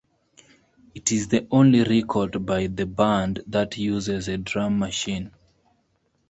It is the only record by the band that uses a drum machine.